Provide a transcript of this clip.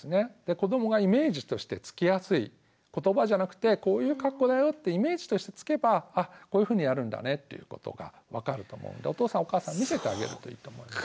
子どもがイメージとしてつきやすい言葉じゃなくてこういう格好だよってイメージとしてつけばあっこういうふうにやるんだねっていうことが分かると思うんでお父さんお母さん見せてあげるといいと思うんですね。